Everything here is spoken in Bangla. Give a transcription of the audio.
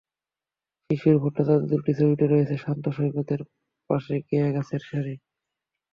শিশির ভট্টাচার্য্যের দুটি ছবিতে রয়েছে শান্ত সৈকতের পাশে কেয়া গাছের সারি।